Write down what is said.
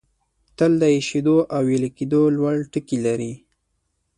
تل د ایشېدو او ویلي کېدو لوړ ټکي لري.